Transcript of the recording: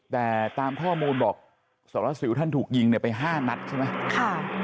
แต่ตามข้อมูลบอกสารสิวท่านถูกยิงเนี่ยไป๕นัดใช่ไหม